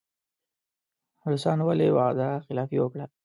روسانو ولې وعده خلافي وکړه.